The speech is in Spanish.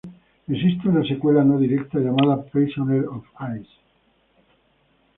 Existe una secuela no directa llamada "Prisoner of Ice".